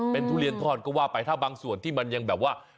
เป็นทุเรียนทอดก็ว่าไปถ้าบางส่วนที่มันยังแบบว่า